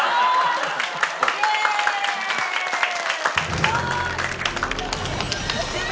すごーい！